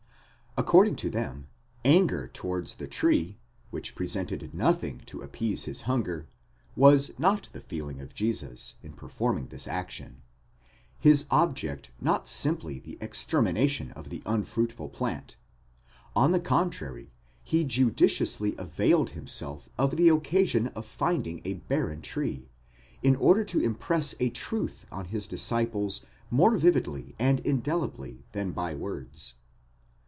According to them, anger towards the tree which presented nothing to appease his hunger, was not the feeling of Jesus, in performing this action; his object not simply the extermination of the unfruitful plant: on the contrary, he judiciously availed himself of the occasion of finding a barren tree, in order to impress a truth on his disciples more vividly and indelibly than by words.